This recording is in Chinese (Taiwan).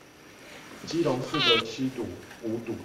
基隆市的七堵、五堵